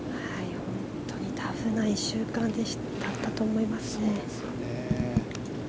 本当にタフな１週間だったと思いますね。